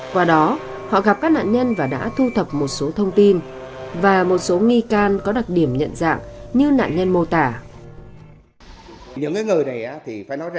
qua đó họ gặp các nạn nhân và đã thu thập một số thông tin và một số nghi can có đặc điểm nhận dạng như nạn nhân mô tả